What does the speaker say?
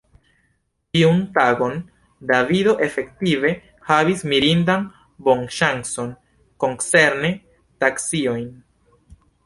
Tiun tagon Davido efektive havis mirindan bonŝancon koncerne taksiojn.